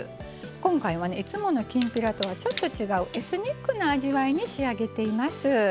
今回はいつものきんぴらとはちょっと違うエスニックな味わいに仕上げています。